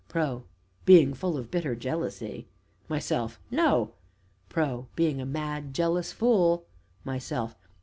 PRO. Being full of bitter jealousy. MYSELF. No! PRO. Being a mad, jealous fool MYSELF.